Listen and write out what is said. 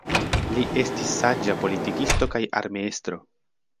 Li estis saĝa politikisto kaj armeestro.